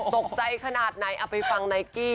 ตกใจขนาดไหนเอาไปฟังไนกี้